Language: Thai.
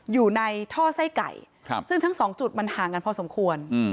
อยู่ในท่อไส้ไก่ซึ่งทั้งสองจุดมันห่างกันพอสมควร